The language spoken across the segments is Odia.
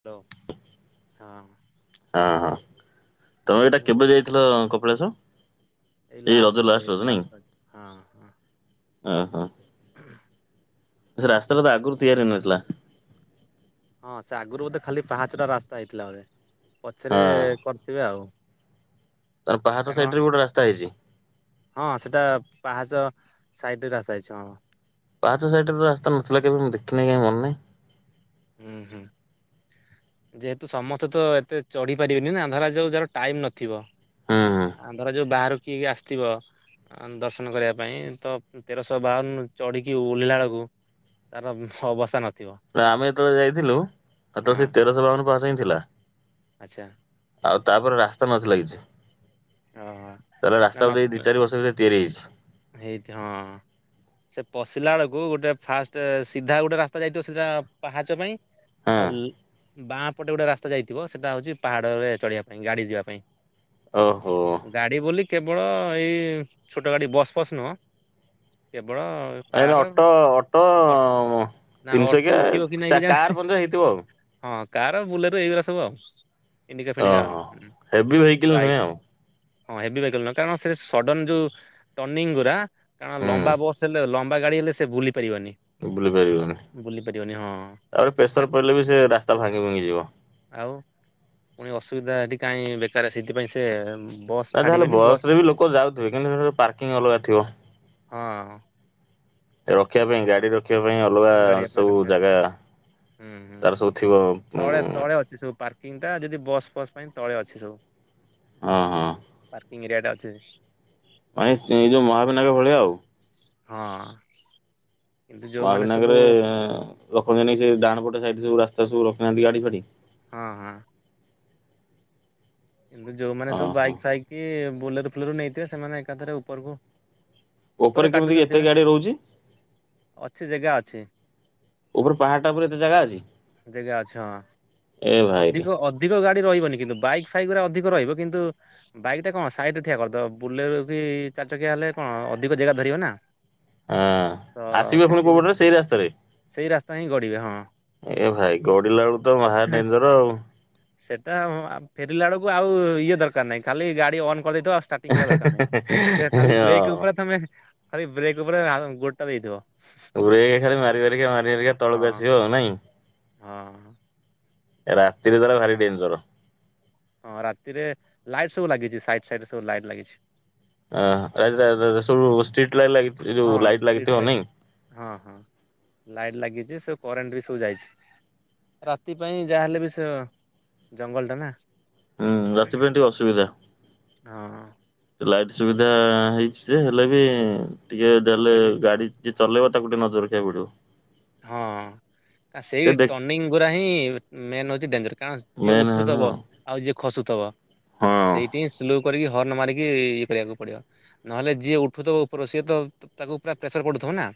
ହ୍ୟାଲୋ ହଁ ହଁ ହଁ ତମେ ଏଇଟା ମୁଁ କହୁ କେବେ ଯାଇଥିଲ କପିଳାଶ। ଏଇ ଲାଷ୍ଟରେ ଲାଷ୍ଟ ରଜ ହଁ ହଁ। ଓହୋ ରାସ୍ତାଟା ତ ଆଗରୁ ତିଆରି ହେଇନଥିଲା। ହଁ ସେ ଆଗରୁ ବୋଧେ ଖାଲି ପାହାଚଟା ରାସ୍ତା ହେଇଥିଲା ବୋଧେ। ପଛରେ ହଁ କରିଥିବେ ଆଉ। ତାର ପାହାଚ କାରଣ ସାଇଟ୍ ରେ ଗୋଟେ ରାସ୍ତା ହେଇଛି। ହଁ ସେଟା ପାହାଚ ସାଇଟ୍ ରେ ରାସ୍ତା ଯାଇଛି ହଁ। ସେଥିଲା କେବେ ମୁଁ ଦେଖିନି କାହିଁ ମନେ ନାହିଁ। ହୁଁ ହୁଁ ଯେହେତୁ ସମସ୍ତେ ତ ଏତେ ଚଢି ପାରିବେନି ନା ଧାରାଯାଉ ଯାହାର ଟାଇମ ନଥିବ। ହୁଁ ହୁଁ ଆନ୍ଧର ଯୋଉ ବାହାରକୁ। ଖିକି ଆସିଥିବ ଦର୍ଶନ କରିବା ପାଇଁ ତ ତେରଶହ ବାଉଁନ ଚଢ଼ିକି ଓଲେହିଲା ବେଳକୁ ତାର ଅବସ୍ଥା ନ ନା ଆମେ ଯେତେବେଳେ ଯାଇଥିଲୁ ହଁ ହେତେବେଳସିକି ତେରଶହ ବାଉନ ପାହଚ ଥିଲା। ଆଚ୍ଛା। ଆଉ ତାପରେ ରାସ୍ତା ନଥିଲା କିଛି। ଓହୋ ତାହଲେ ନା ନା ରାସ୍ତାକୁ ଦେଇ ଦୁଇ ଚାରି ବର୍ଷର ଭିତରେ ତିଆରି ହେଛି। ହେଇଥି ହଁ ସେ ପଶିଲା ବେଳକୁ ଗୋଟେ ଫାଷ୍ଟ ସିଧା ଗୋଟେ ରାସ୍ତା ଯାଇଥିବ ସିଧା ପାହାଚ ପାଇଁ ହଁ ଆଉ ବାଁ ପଟେ ଗୋଟେ ରାସ୍ତା ଯାଇଥିବ ସେଇଟା ହଉଛି ପାହାଡ଼ରେ ଚଢିବା ପାଇଁ ଗାଡ଼ି ଯିବା ପାଇଁ। ଓ। ଗାଡି ବୋଲି କେବଳ ଏଇ ଛୋଟ ଗାଡ଼ି ବସ୍ ଫସ୍ ନୁହଁ। କେବଳ ଏ କାର ଅଟୋ ଅଟୋ ଅ ନା ଅଟୋ ତିନିଶହ ଉଠିବ କି ନାଇଁ କିଆ କେଜାଣି କାର ପଞ୍ଚ ହେଇଥିବ ଆଉ। ହଁ କାର ବୁଲେର ଏଇଗୁଡ଼ା ସବୁ ଆଉ। ଇଣ୍ଡିକା ଫିଣ୍ଡିକା ଆଉ। ଓହୋ ହୁଁ, ହେଭି ଭେକଲ ବାଇକ୍ ନୁହେଁ ଆଉ। ହଁ ହେଭି ଭେଇକେଲ ନୁହଁ କାରଣ ସେ ସଡନ ଯୋଉ ଟର୍ନିଂ ଗୁଡା କାରଣ ଲମ୍ବା ହୁଁ ବସ ହେଲେ ଲମ୍ବ ଗାଡ଼ି ହେଲେ ସେ ବୁଲି ପାରିବନି ବୁଲି ପାରିବନି। ବୁଲି ପାରିବନି ହଁ ତାପରେ ପ୍ରେସର ତାକୁ ପଡ଼ିଲେ ବି ସେ ରାସ୍ତା ଭାଙ୍ଗି ଭାଙ୍ଗିଯିବ। ଆଉ ପୁଣି ଅସୁବିଧା ଏଠି କାହିଁ ବେକାର ସେଇଥିପାଇଁ ସେ ବସ୍ ନା ତାହେଲେ ଛାଡିବେନି ବସ୍ ବସ ଟା ରେ ବି ଲୋକ ଯାଉଥିବେ କିନ୍ତୁ ସେ ପାର୍କିଂ ଅଲଗା ଥିବ। ହଁ ହିଁ। ରଖିବା ପାଇଁ ଗାଡି ର ଦେଖିବା ପାଇଁ ଅଲଗା ଗାଡିଆ ପାଇଁ ସବୁ ରଖିବା ଜାଗା ହୁଁ ହୁଁ ତାର ସବୁ ଥିବ ହୁଁ। ତିନିଟା ଯଦି ବସ୍ ଫସ୍ ପାଇଁ ତଳେ ଅଛି ସବୁ। ହଁ ହଁ। ଙ୍କରିଟା ଅଛି [unintelligible] ମ ଏଇ ଯୋଉ ମହାବିନାଗ ଭଳିଆ ଆଉ। ହଁ। କିନ୍ତୁ ଯୋଉମାନେ ସବୁ ମହାବୀନଗରରେ ରଖନ୍ତି ନାଇଁ ସେ ଡାହାଣପଟ ସାଇଟ ସବୁ ରାସ୍ତା ତ ସବୁ ରଖୁ ନାହାନ୍ତି ଗାଡ଼ି ଫାଡି। ହଁ ହଁ। ଏମିତି ଯୋଉମାନେ ସବୁ ଓହୋ ବାଇକ ଫାଇକ କି ବୁଲେ ଲେର ନେଇଥିବେ ସେମାନେ ଏକାଥରେ ଉପରକୁ ଉପରେ କେମିତି କାଟୁଛନ୍ତି ଏତେ ବା ଗାଡି ରହୁଛି ଅଛି ଜାଗା ଅଛି। ଉପରେ ପାହାଡ ଟା ଉପରେ ଏତେ ଜାଗା ଅଛି ଜାଗା ଅଛି ହଁ ଏ ଭାଇରେ ଅଧିକ ଅଧିକ ଗାଡି ରହିବନି କିନ୍ତୁ ବାଇକ୍ ଫାଇକ୍ ରା ଅଧିକ ରହିବ କିନ୍ତୁ ବାଇକ୍ ଟା କଣ ସାଇଡରେ ଠିଆ କରିଦେବ ବୁଲେର କି ଚାରି ଚକିଆ ହେଲେ କଣ ଅଧିକ ଜାଗା ଧରିବ ନା। ହଁ ତ ଆସିବ ପୁଣି ସେଠି କୋଉ ବି ପଟରେ ସେଇ ରାସ୍ତାରେ? ସେଇ ରାସ୍ତା ହିଁ ଗଡିବେ ହଁ। ଏ ଭାଇ ଗଡିଲା ବେଳୁ ତ ମହାଡେନଜର ଆଉ ସେଟା ଫେରିଲା ବେଳକୁ ଆଉ ଇଏ ଦରକାର ନାହିଁ ଖାଲି ଗାଡି ଅନ ଦବ ଆ ଷ୍ଟାର୍ଟିଙ୍ଗ କରିବା ଦରକାର ନାହିଁ ସେ ଖାଲି ବ୍ରେକ୍ ହଁ ଉପରେ ତମେ ଖାଲି ବ୍ରେକ୍ ଉପରେ ଗୋଡ଼ ଟା ଦେଇଥିବ। ଗରେଇ ହେଇକା ଖାଲି ମାରିମାରିକା ମାରିମାରିକା ହଁ ତଳକୁ ଆସିବ ଆଉ ନାଇଁ ହଁ ରାତିରେ ତାର ଭାରି ଡେଞ୍ଜର। ହଁ ରାତିରେ ଲାଇଟ ସବୁ ଲାଗିଛି ସାଇଟ ସାଇଡ ରେ ସବୁ ଲାଇଟ ଲାଗିଛି। ଅ ରା ରା ସବୁ ଷ୍ଟ୍ରୀଟ୍ ଲାଇଟ ଲାଗି ଯ ହଁ ଯୋଉ ଲାଇଟ୍ ଷ୍ଟ୍ରିଟ୍ ଲାଗିଥିବ ନାଇଁ। ହଁ ହଁ ଲାଇଟ୍ ଲାଗିଛି ସବୁ କରେଣ୍ଟ ବି ସବୁ ଯାଇଛି ରାତି ପାଇଁ ଯାହାହେଲେ ବି ସେ ଜଙ୍ଗଲଟା ନା ହୁଁ ରାତିପାଇ ଟିକେ ଅସୁବିଧା। ହଁ ଲାଇଟ୍ ସୁବିଧା ହେଇଛି ଯେ ହେଲେ ବି ଟିକେ ହେଲେ ଦେଲେ ବି ହଁ ଗାଡି ଯଏ ଚଲେଇବ ତା ଗୋଟେ ନଜର ଖାଇବାକୁ ପଡିବ। ହଁ ସେ ସେଇ ଦେଖ ଟର୍ନିଂ ଗୁରା ହିଁ ମେନ୍ ହଉଛି ଡେଞ୍ଜର କାରଣ ଯିଏ ମେନ୍ ହେଲା ଉଠୁଥିବ ଆଉ ଯିଏ ଖସୁଥବ ହଁ ସେଇଠି ହିଁ ସ୍ଲ କରିକି ହର୍ଣ୍ଣ ମାରିକି ଇଏ କରିବାକୁ ପଡିବ ନହେଲେ ଯିଏ ଉଠୁଥିବ ଉପର ସିଏ ତ ତାକୁ ପୁରା ପ୍ରେସର ପଡୁଥିବ ନା?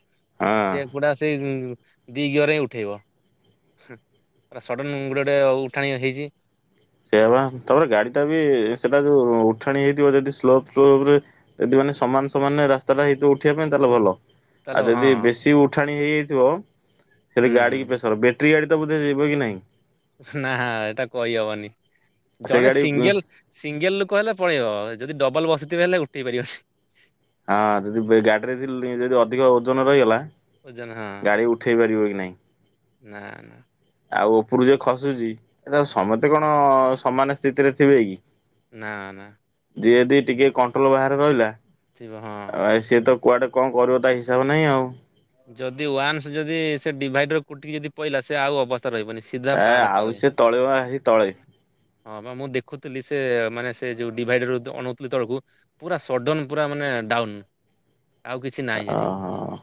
ହଁ। ସେ ଗୁଡା ସେଇ ଦି ଗିଅରରେ ହିଁ ଉଠେଇବ ସଡନ ଗୋଡେ ଗୋଟେ ଉଠାଣି ହେଇଛି। ସେଆ ବା ତାପରେ ଗାଡିଟା ବି ସେଟା ଯୋଉ ଉଠାଣି ହେଇଥିବ ଯଦି ସ୍ଲୋପ ସ୍ଲୋପ ରେ ଯଦି ମାନେ ସମାନ ସମାନ ରାସ୍ତା ଟା ହେଇଥିବ ଉଠିବା ପାଇଁ ତାହେଲେ ଭଲ। ତାହେଲେ ଆଉ ହଁ ଯଦି ବେଶୀ ଉଠାଣି ହେଇଯାଇ ଥିବ ହୁଁ ସେଠୀ ହୁଁ ଗାଡିିକି ପେଶର ବେ ବେଟ୍ରି ଗାଡି ତ ବୋଧେ ଯିବ କି ନାଇଁ? ନା ଏଟା କହି ହବନି। ସେଇ ଜଣେ ଗାଡି ସିଙ୍ଗଲ ସିଙ୍ଗଲ ଲୋକ ହେଲେ ପଳେଇବ। ଯଦି ଡବଲ ବସିଥିବେ ହେଲେ ଉଠେଇ ପାରିବନି। ହଁ ଯଦି ଗାଡିରେ ଯଦି ଅଧିକ ଓଜନ ରହିଗଲା ଓଜନ ହଁ। ଗାଡି ଉଠେଇ ପାରିବ କି ନାହିଁ। ନା ନା। ଆଉ ଉପରୁ ଯେ ଖସୁଛି ତ ସମସ୍ତେ କଣ ସମାନ ସ୍ଥିତିରେ ଥିବେ କି? ନା ନା ନା। ଯିଏଦି ଟିକେ କଣ୍ଟ୍ରୋଲ ବାହାର ରହିଲା ଥିବ ହଁ। ଆଉ ସିଏ କୁଆଡେ କଣ କରିବ ତ ହିସାବ ନାହିଁ ଆଉ ଯଦି ୱାନ୍ସ ଯଦି ସେ ଡିଭାଇଡର କୁଟିକି ଯଦି ପହିଲା ସେ ଆଉ ଅବସ୍ଥା ରହିବନି ସିଧା ଏ ପାହାଡ଼ ଆଉ ସେ ତଳେ ହେ ତଳେ ହଁ ବା ମୁ ଦେଖୁଥିଲି ସେ ମାନେ ସେ ଯୋଉ ଡିଭାଇଡର ଅଣଉଥିଲି ତଳକୁ ପୁରା ସଡନ ପୁରା ମାନେ ଡାଉନ ଆଉ କିଛି ନାହି ହେଠି। ଓହୋ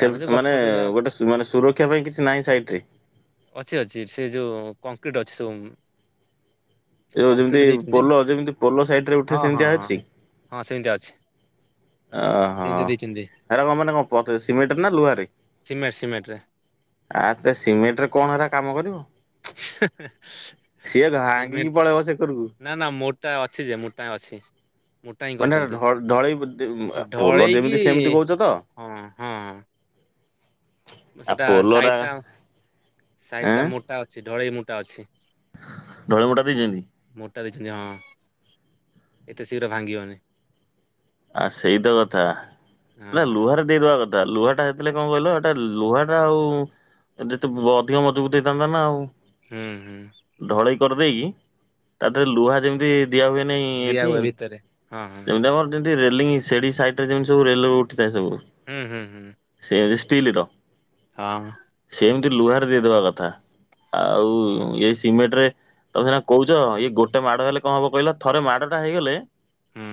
ସେ ମାନେ ଗୋଟେ ମାନେ ସୁରକ୍ଷା ପାଇଁ କିଛି ନାହି ସାଇଟରେ। ଅଛି ଅଛି ସେ ଯୋଉ କଂକ୍ରିଟ ଅଛି ସବୁ। ଯଉ କଂକ୍ରିଟ ଯେମତି ଦେଇଛନ୍ତି ପୋଲ ଯେମତି ପୋଲ ସାଇଡରେ ଉଠେ ହଁ ସେମିତି ହଁ ହଁ ଅଛି ହଁ ସେମିତିଆ ଅଛି ଓହୋ ସେମିତିଆ ଦେଇଛନ୍ତି ଏଇଟା କଣ ମାନେ କଣ? [inaudible] ସିମେଣ୍ଟ ନା ଲୁହାରେ। ସିମେଣ୍ଟ ସିମେଣ୍ଟରେ। ଆ ତ ସିମେଣ୍ଟ ରେ କଣ ହେରା କାମ କରିବ? [unintelligible] ସିଏ ଭାଙ୍ଗିକି ପଳେଇବ ସେ କରକୁ। ନା ନା ମୋ ଟା ଅଛି ଯେ ମୋ ଟା ଅଛି। ମୋଟା ହିଁ ମାନେ କରିଛନ୍ତି। ଢଲେଇ ପୋଲ ଢଳେଇକି ଯେମିତି ସେମିତି କହୁଛ ତ। ହଁ ହଁ ଆଉ ସେଟା ପୋଲରା ସାଇଟ୍ ସାଇଟ୍ ମୋଟା ଅଛି। ଢଳେଇ ମୋଟା ଅଛି। ଢଳ ମୋଟା ଦେଇିଛନ୍ତି। ମୋଟା ଦେଇଛନ୍ତି ହଁ ଏତେ ଶୀଘ୍ର ଭାଙ୍ଗି ହଉନି। ଆ ସେଇତ କଥା ହଁ ହେଲା ଲୁହାରେ ଦେଇଦବା କଥା। ଲୁହାଟା ହୋଇଥିଲେ କଣ କହିଲ ଏଟା ଲୁହା ଟା ଆଉ ଯେତେ ଅଧିକ ମଜବୁତ ହେଇଥାନ୍ତା ନା ଆଉ। ହୁଁ ହୁଁ। ଢଳେଇ କରିଦେଇକି ତାହା ଦେହରେ ଲୁହା ଯେମିତି ଦିଆ ହୁଏ ନାହି ଦିଆ ଏଠି ହୁଏ ଭିତରେ ହଁ ହଁ ଯେମିତି ଆମର ରେଲିଙ୍ଗି ସେଡି ସାଇଟ୍ ରେ ଯେମି ସବୁ ରେଲ ର ଉଠଥାଏ ସବୁ ହୁଁ ହୁଁ ହୁଁ। ଏ ଷ୍ଟିଲ ର। ହଁ ହଁ। ଏମିତି ଲୁହାର ଦେଇଦବା କଥା। ଆଉ ହଁ ଏଇ ସିମେଣ୍ଟ ରେ- ତମେ ସେନା କହୁଛ ଇଏ ଗୋଟେ ମାଡ ହେଲେ କଣ ହବ କହିଲା ଥରେ ମାଡଟା ହେଇଗଲେ। ହୁଁ।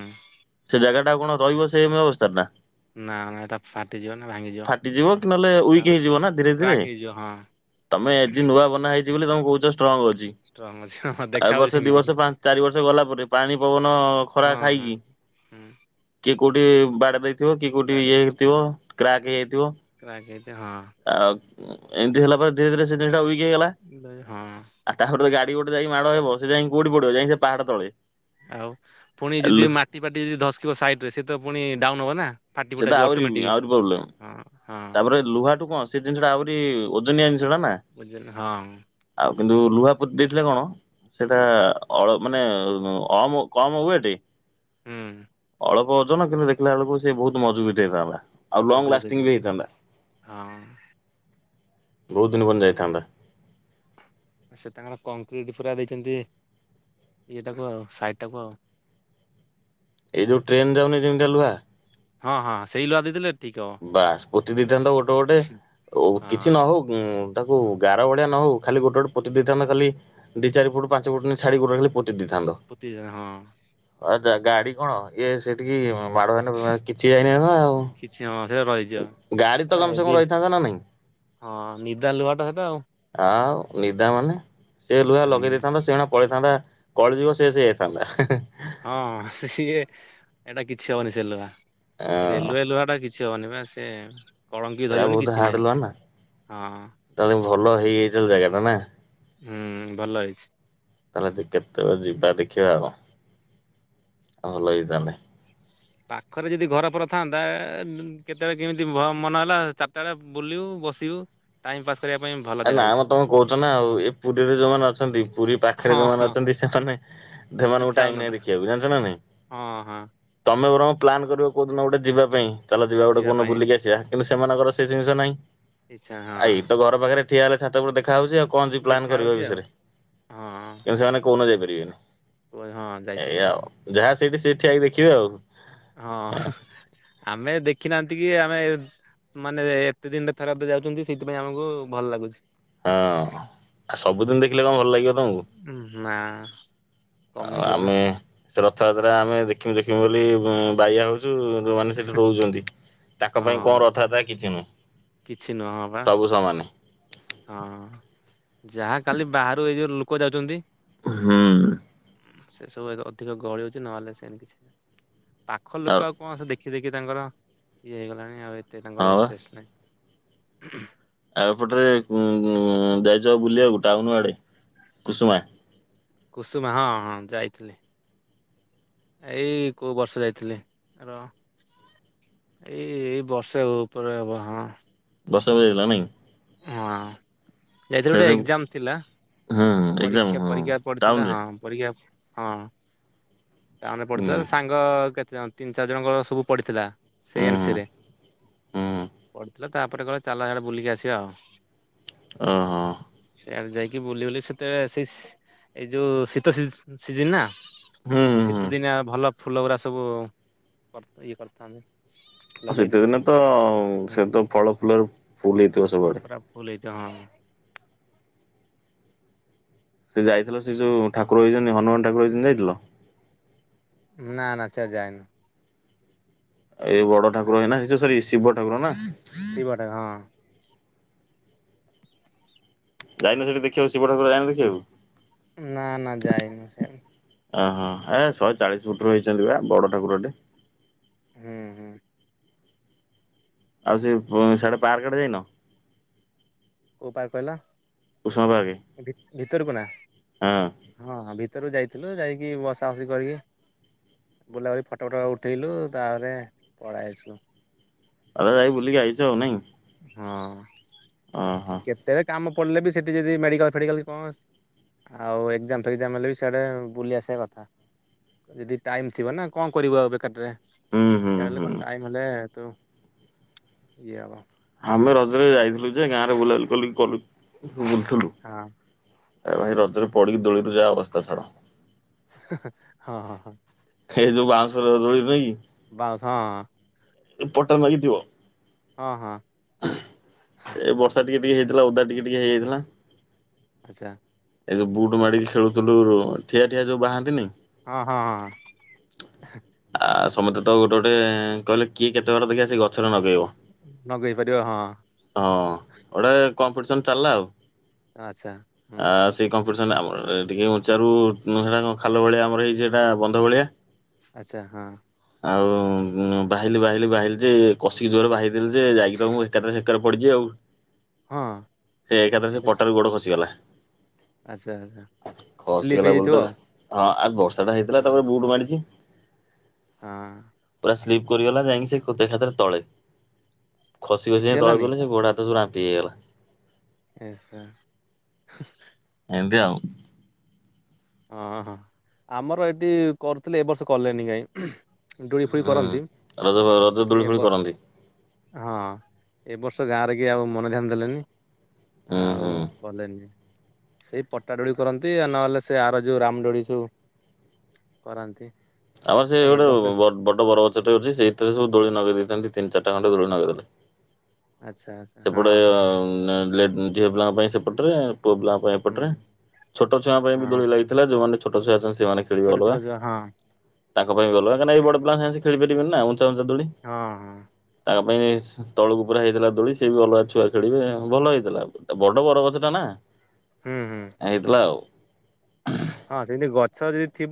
ସେ ଜାଗା ଟା କଣ ରହିବ ସେ ଅବସ୍ଥାରେ ନା। ନା ନା ଏଟା ଫାଟିଯିବ ନା ଭାଙ୍ଗିଯିବ ଫାଟିଯିବ କି ନହେଲେ ୱିକ୍ ଆଉ ହେଇଯିବ ନା ଧୀରେ ଧୀରେ କ୍ରାକ୍ ହେଇଯିବ ତମେ ଆଜି ହଁ। ନୂଆ ବନା ହେଇଛି ବୋଲି ତମ କହୁଛ ଷ୍ଟ୍ରଙ୍ଗ ଅଛି ଷ୍ଟ୍ରଙ୍ଗ ଅଛି ହଁ ଦେଖା ହଉଛି ଏବର୍ଷ ଦି ସେମିତି ବର୍ଷ ପାଞ୍ଚ ଚାରି ବର୍ଷ ଗଲା ପରେ ପାଣି ପବନ ଖରା ହଁ ହଁ ଖାଇକି ହୁଁ। କୋଉଠି ବାଡେଇ ଥିବ କି କୋଉଠି ଇଏ ବାଡେଇ ହେଇଥିବ ହଁ କ୍ରାକ୍ ହେଇଯଥିବ କ୍ରାକ୍ ହେଇଥିବ ଆଉ ଏମିତି ହେଲା ପରେ ଧୀରେ ଧୀରେ ସେ ଦିଟା ଇ ହେଲା ହଁ ହଁ ଆଉ ତା ଗାଡି ଡି ଗୋଟେ ଯାଇ ମାଡ଼ ହେବ ସେ ଯାଇକି କଉଠି ପଡିବ ଯାଇକି ପାହାଡ ତଳେ। ଆଉ ପୁଣି ଆଲୋ ଯଦି ମାଟି ପାଟି ଯଦି ଧସକିବ ସାଇଟ ରେ ସେ ତ ପୁଣି ଡାଉନ ହବ ନା ଫାଟି ଫୁଟା ସେତ ଯିବ ଆହୁରି ଅଟୋମେଟିକ ଆହୁରି ପ୍ରୋବ୍ଲେମ। ହଁ ହଁ ତାପରେ ଲୁହାଠୁ କଣ ସେ ଜିନିଷଟା ଆହୁରି ଓଜନିଆ ଜିନିଷଟା ନା ହଁ। ଆଉ କିନ୍ତୁ ଲୁହା ପୋତି ଦେଇଥିଲେ କଣ ସେଟା ଅଳ ମାନେ କମ କମ ୱେଟ ହୁଁ। ଅଳପ ଓଜନ କିନ୍ତୁ ଦେଖିଲା ବେଳକୁ ସେ ବହୁତ ମଜବୁତିଆ ହେଇଥାନ୍ତା ଆଉ ଲଙ୍ଗ ମଜବୁତ ଲାଷ୍ଟିଙ୍ଗ ହେଇଥାନ୍ତା ବି ହଁ [inaudible] ବହୁତ ଦିନ ପରେ ଯାଇଥାନ୍ତା ସେ ତାଙ୍କର କଂକ୍ରିଟ ପୁରା ଦେଇଛନ୍ତି ଇଏଟାକୁ ଆଉ ସାଇଟ ଟାକୁ ଆଉ। ଏଇ ଯୋଉ ଟ୍ରେନ ଯାଉନି ଯେମିତିଆ ଲୁହା ହଁ ହଁ ସେଇ ଲୁହା ଦେଇଥିଲେ ବାସ ପୋତି ଦେଇଥାନ୍ତା ଗୋଟେ ଗୋଟେ ହବ କିଛି ହଁ ନହଉ ତାକୁ ଗାର ଭଳିଆ ନ ହଉ ଖାଲି ଗୋଟେ ଗୋଟେ ପୋତି ଦେଇଥାନ୍ତ ଖାଲି ଦି ଚାରି ଫୁଟ ପାଞ୍ଚ ଫୁଟ ଲେଖା ଛାଡିକି ପୋତିଦେଇ ହଁ ଆା ଗାଡି କଣ ଇଏ ସେଠିକି ମାଡ କିଛି ଯାଇନଥାନ୍ତା ଆଉ ସେ ରହିଜିଵ ଗାଡି ତ ଏଇଟା କମ ସେ କମ ହେବି ରହିଥାନ୍ତା ନା ନାଇଁ ହଁ ନିଦା ଲୁହାଟା ସେଟା ଆଉ। ଆଉ ନିଦା ମାନେ ସେ ଲୁହା ଲଗେଇ ହୁଁ ଦେଇଥାନ୍ ସେ ପଳେଇ ଥାନ୍ତା କଳିଯୁଗ ସେ ସେଇୟା ହେଇଥାନ୍ତା। ହଁ ସିଏ- ଏଇଟା କିଛି ହବନି ସେ ହଁ ରେଲୁଲୁ ଟା କିଛି କିଛି ଅନେଇବା ସେ କଳଙ୍କି ସେଟା ଧରିବନି ବହୁତ କିଛି ହାର୍ଡ ନାହିଁ ଲୁହା ନା ସେସବୁ ହଁ। ତାହେଲେ ଭଲ ହେଇଯାଇଥିଲା ଜାଗା ଟା ନା? ହଁ ଭଲ ଅଛି। ତାହେଲେ ତୁ କେତେବେଳେ ଯିବା ଦେଖିବା ଆଉ? ହଲ ତାହାନଲେ [unintelligible] ପାଖରେ ଯଦି ଘର ପର ଥାନ୍ତା କେତେବେଳେ କେମିତି ମନ ହେଲା ଚାରିଟା ବେଳେ ବୁଲିବୁ ବସିବୁ ଟାଇମ୍ ପାସ୍। କରିବା ପାଇଁ ଭଲ ଆ ଜାଗା ନା ହେଇଛି ଆମେ ତମେ କହୁଛ ନା ଆଉ ଏ ନା ନା ନା? ପୁରୀରେଯୋଉମାନେ ଅଛନ୍ତି ପୁରୀ ପାଖରେ ହଁ ଯୋଉମାନେ ହଁ ଅଛନ୍ତି ସେମାନେ ସେମାନଙ୍କୁ ଇଚ୍ଛା ଟାଇମ ହଉନଥିବ ନାଇଁ ଦେଖିବାକୁ ଜାଣିଛ ନା ନାଇଁ? ହଁ ହଁ। ତମେ ବରଂ ପ୍ଲାନ୍ କରିବ କେଉଁଦିନ ଗୋଟେ ଯିବା ପାଇଁ? ଚାଲ ଯିବା ଗୋଟେ କଣ ବୁଲି ଆସିବା କିନ୍ତୁ ସେମାନଙ୍କର ସେ ଜିନିଷ ନାହିଁ। ଆଛା ହଁ। ଆ ାତ ଦେ [unintelligible] ଦେଖାହଉଛି ଆଉ କଣ ପ୍ଲାନ୍ ଦେଖା କରିବା ହଉଛି ଆଉ ବିଷୟରେ ହଁ କିନ୍ତୁ [unintelligible] କୁହ ହଁ ସେଇଆ ଯାଇପାରିବେନି ଆଉ। ସେଇଠି ଠିଆ ହେଇକି ଦେଖିବେ ଆଉ। ହଁ ଆମେ ଦେଖିନାହାନ୍ତି। କିଏ ହଁ ଆଉ ସବୁଦିନ ଦେଖିଲେ କଣ ଆଉ ନା କମିଯିବ ନା ଆମେ ସେ ରଥଯାତ୍ରା ଆମେ ଦେଖମୁ ଦେଖମୁ ବୋଲି ବାୟଆ ହଁ ହଉଛୁ। [unintelligible] କିଛି ନହବା। ଆ। ହଁ। ଯାହା କାଲି ବାହାରୁ ଏଇ ଯୋଉ କ ଯାଉଛନ୍ତି। ହୁଁ। ସେ ସବୁ ଅଧିକ ଗହଳି ହଉଛି ପାଖ ଲୋକ ଆଉ ଦେଖି ଦେଖି ତାଙ୍କର ଇଏ ହେଇଗଲାଣି ଆଉ ଏ ଏଠି ହଁ ତାଙ୍କର ବା ଇଣ୍ଟ୍ରେଷ୍ଟ ନାହିଁ। [unintelligible] ଆଉ ଏପଟେ ରେ [unintelligible] କୁସୁମା ହଁ ହଁ ଯାଇଥିଲି। ଏଇ କୋଉ ବର୍ଷ ଯାଇଥିଲି ଏଇ ଏଇ ବର୍ଷେ ହବ ଉପରେ ହବ ହଁ। ବର୍ଷେ ହବ ଯାଇଥିଲ [unintelligible] ଯାଇଥିଲୁ ଗୋଟେ ହୁଁ ଏକ୍ଜାମ ଥିଲା। ଏକ୍ଜାମ ପରୀକ୍ଷା ହଁ ଟାଉନରେ ହଁ। ଟାଉନ୍ ରେ ହୁଁ ପଡିଥିଲା ସାଙ୍ଗ କେତେ ତିନି ଚାରି ଜଣଙ୍କର ସବୁ ପଡ଼ିଥିଲା। ହୁଁ ସେନ୍ ହୁଁ ସିରେ। ହୁଁ ତାପରେ କହିଲେ ଚାଲ ସିଆଡେ ଓ ହୋ। ଆଉ ଯାଇକି ବୁଲିବୁଲି ସେ ସେତେଳେ ସିସ ଏଇ ଯୋଉ ଶୀତ ସି ସିଜିନ ନା। ହୁଁ ହୁଁ ହୁଁ ଶୀତ ଦିନିଆ। ଭଲ। ଫୁଲଗୁଡ଼ା ସବୁ ଇଏ କରିଥାନ୍ତି। ଆଉ ଶୀତେ ଲଗେଇଥିଲେ ଦିନେ ତ ହୁଁ ସେ ତ ଫଳ ଫୁଲରେ ଫୁଲ ହେଇ ପୁରା ଫଲ୍ ହେଇଚି। ଯ ହଁ। ସେ ଯାଇଥିଲ ସେ ଯୋଉ ଠାକୁର ହେଇଛନ୍ତି ହନୁମାନ ଠାକୁର ହେଇଛନ୍ତି ଯାଇଥିଲ। ନା ନା ସେଆ ଡେ ଯାଇନୁ। ଏଇ ବଡ ଠାକୁର ହେ ସେ ସରି। ଶିବ ଠାକୁର ନା। ଶିବଟା ହଁ ଯାଇନ ସେଠି ଦେଖଆକୁ ଶିବ ଠାର ଯାଇନ ଦେଖିବାକୁ। ନା ନା ଯାଇନୁ ସିଆଡେ ଓହୋ ଏ ଶହେ ଚାଳିଶ ଫୁଟ ର ହେଇଛନ୍ତି ବା ବଡ ଠାକୁରଟେ। ହୁଁ ହୁଁ। ଆଉ ସେ ସାଡେ ପାରକ୍ ଆଡେ ଯାଇନ? କୋ ପାର୍କ କହିଲ? କୁସୁମା ପାର୍କ ଭିତରକୁ ନା ହଁ ହଁ। ଭିତରୁ ଯାଇଥିଲୁ ଯାଇକି ବସା ବସି କରିକି ବୁଲାବୁଲି ଫଟୋ ଫଟ ଉଠେଇଲୁ ତାପରେ ପଲେଇଆସିଲୁ। ଆଉ ଯାଇକି ବୁଲିକି ଆଇଚ ନାହିଁ। ହଁ। କେତେବେଳେ କାମ ପଢ଼ିଲେ ବି ସେଇଠି ଯଦି ମେଡ଼ିକାଲ ଫେଡ଼ିକାଲ୍ କଣ ଆଉ ଏକ୍ଜାମ ଫେକ୍ଜାମ ହେଲେ ବି ସଆଡ଼େ ବୁଲି ଆସିବା କଥା ଯଦି ଟାଇମ୍ ଥିବ ନା କଣ କରିବ ଆଉ ବେକାରଟାରେ ହୁଁ ହୁଁ ସେଳଲେ ହୁଁ କଣ ଟାଇମ ହେଲେ ତୁ [unintelligible] ଆମେ ରଜରେ ଯାଇଥିଲୁ ଗାଁ ରେ ବୁଲାବୁଲି କଲୁ କଲୁ। ବୁଲଥିଲୁ ହଁ ହୁଁ ଭାଇ ରଜରେ ପଡିକି ଦୋଳି ପୂଜା ଅବସ୍ତା ଛାଡ଼ ହଁ ହଁ ହଁ। ଏ ଯୋଉ ବାଉଁଶରେ ରଜଳି ରହି କି ବସ ହଁ। ପଟରେ ମାଗିଥିବ ହଁ ହଁ। ଏ ବର୍ଷା ଟିକେ ଟିକେ ହେଇଥିଲା ଓଦା ଟିକେ ଟିକେ ହେଇଯାଇଥିଲା। ଆଚ୍ଛା। ଏଇ ଯଉ ବୁଟ ମାଡିକି ଖେଳୁଥିଲୁ ଠିଆ ଠିଆ ଯୋଉ ବାହାନ୍ତିନି। ହଁ ହଁ। ତୋତେ ତ ଗୋଟେ ଗୋଟେ କହିଲେ କିଏ କେତେ ବର ଦେଖି ଆସିକି ଗଛ ନଗେଇବ ନଗେଇ ପାରିବ ହଁ ହଁ ଗୋଟେ କମ୍ପିଟିସନ୍ ଚାଲିଲା ଆଉ ଆଛା। ଆ ସେଇ କଣ? ଟିକେ ଉଚାରୁ ସେଟା ଖାଲ ଭଳିଆ ଆମର ହେଇଛି ସେଟା ବନ୍ଧ ଭଳିଆ। ଆଚ୍ଛା ହଁ ଆଉ ବାହିଲି ବାହିଲି ବାହିଲି ଯେ କଷିକି ଜୋରରେ ବାହି ଯେ ଯାଇକ ତ ଏକାଥରେ ସେକଡେ ପଡ଼ି। ଯେଉ ହଁ ସେ ଏକାଥରେ ସେ ଆଚ୍ଛା ପଟାରୁ ଗୋଡ ଖସିଗଲା। ଆଚ୍ଛା ସ୍ଲିପ୍ ଖସିଗଲା ବୋଲି ହେଇଯାଇଥିବ ତ ଆଉ ହଁ ଆ ବର୍ଷା ଟା ହେଇଥିଲା ହଁ ତାପରେ ବୁଟ ମାଡ଼ିଛି। ହଁ। ସ୍ଲିପ କରିଗଲା ଯାଇିକି ସେ ଏଖାତରେ ତଳେ। ଖସି ଖସି କିଛି ତଳେ ହେଲାନି ଗଲେ ସେ ଗୋଡ଼ ହାତ ସବ ରା ହେଇଗଲା। ଏ ସାରା। ଏ ନ୍ତୀ ଆଉ। ହଁ ହଁ ଆମର ଏଠି କରୁଥିଲେ ଏ ବର୍ଷ କଲେଣି କାହିଁକି। ଦୁଳି ଫୁଳି ହୁଁ କରନ୍ତି ରଜ ରଜ ଦୋଳି ଏ ଫୋଳି ବର୍ଷ କରନ୍ତି ହଁ ଏ ବର୍ଷ ଗାଁ ରେ କେ ଆଉ ମନଧ୍ୟାନ ଦେଲେନି। ହୁଁ ହୁଁ। ଆଉ କଲେନି। ସେଇ ପଟା ଦୋଳି କରନ୍ତି ନହେଲେ ସେ ସେ ଆର ଯୋଉ ରାମ ଦୋଳି ସବୁ କରନ୍ତି। ଆମର ସେ ଗୋଟେ ବ ବଡ ବର ଗଛଟେ ଅଛି ସେଇଥିରେ ସବୁ ଦୋଳି ନଗେଇ ଦେଇେଇଥାନ୍ତି ତିନି ଚାରି [unintelligible] ଆଚ୍ଛା ଆଚ୍ଛା ହଁ ସେପଟେ ହଁ ଏ ଝିଅ ପିଲାଙ୍କ ପାଇଁ ସେପଟ ରେ ପୁଅ ପିଲା ପାଇଁ ଏ ପଟରେ ହୁଁ ଛୋଟ ଛୁଆ ଙ୍କ ପାଇଁ ବି ଦୋଳି ହଁ ଲାଗିଥିଲା ଯୋଉମାନେ ଛୋଟ ଛୁଆ ଅଛନ୍ତି। ଛୁଆ ମାନେ ଖୋଲିବେ ଛୋଟ ଛୋଟ ଅଲଗା ଯୋଉ ହଁ କାହିଁକି ନ ସେମାନେ ଏ ବଦପିଲଙ୍କ ସହ ଖେଳିପରିବେନି। [unintelligible] ଉଁଚା ଉଁଚା ଦୋଳି ହଁ ହଁ ତାଙ୍କ। [inaudible] ତଳକୁ ପୁରା ହେଇଥିଲା ଦୋଳି। ସଏ ବି ଭଲ ଛୁଆ ଖେଳିବେ ଭଲ ହେଇଥିଲା ବଡ ବର ଗଛଟା ନା। ହୁଁ ହୁଁ ହେଇଥିଲା ଆଉ। ହଁ ସେମତି ଗଛ ଯଦି ଥିବ